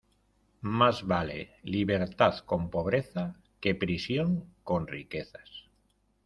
Más vale libertad con pobreza, que prisión con riquezas.